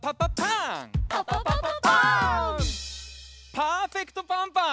パーフェクトパンパン！